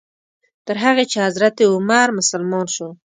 تر هغې چې حضرت عمر مسلمان شو.